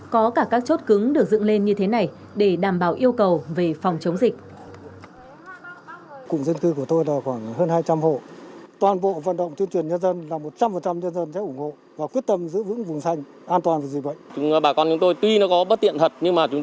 có cả các chốt cứng được dựng lên như thế này để đảm bảo yêu cầu về phòng chống dịch